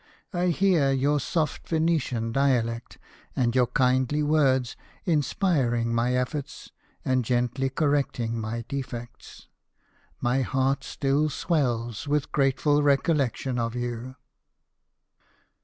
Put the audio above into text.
I hear your soft Venetian dialect, and your kindly words inspiring my efforts and gently correcting my defects. My heart still swells with grateful recollection of you."